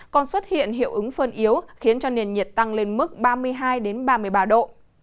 còn xuất hiện hiệu ứng phân yếu khiến cho nền nhiệt tăng lên mức ba mươi hai ba mươi ba độ